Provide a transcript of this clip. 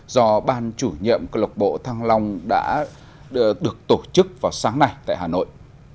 do ban chủ nhiệm cơ lộc bộ thăng long đã được tổ chức vào sáng nay tại hà nội